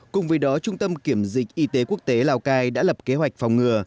cùng với đó trung tâm kiểm dịch y tế quốc tế lào cai đã lập kế hoạch phòng ngừa